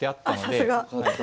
あさすが。